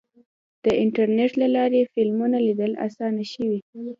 د انټرنیټ له لارې فلمونه لیدل اسانه شوي.